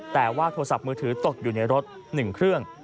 แต่ว่าโทรศัพท์มือถือตกอยู่ในรถ๑เครื่อง